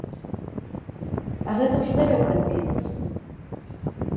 А гэта ўжо далёка ад бізнэсу.